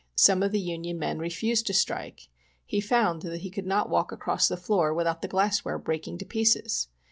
Some of the union men refused to strike. He found that he could not walk across the floor without the glassware breaking to pieces.